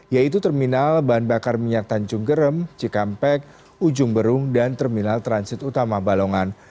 yaitu terminal bahan bakar minyak tanjung gerem cikampek ujung berung dan terminal transit utama balongan